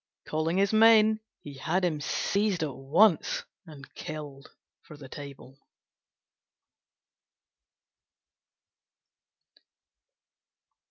Calling his men, he had him seized at once and killed for the table.